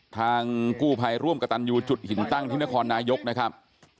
ทางกู้ภัยร่วมกับตันยูจุดหินตั้งที่นครนายกนะครับ